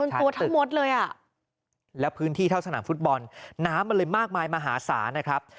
๑๐ทักตึกแล้วพื้นที่เท่าสนามฟุตบอลน้ำมาเลยมากมายมหาศาลนะครับ